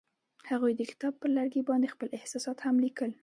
هغوی د کتاب پر لرګي باندې خپل احساسات هم لیکل.